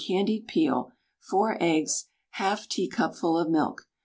candied peel, 4 eggs, 1/2 teacupful of milk.